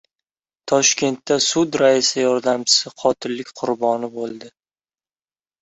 Toshkentda sud raisi yordamchisi qotillik qurboni bo‘ldi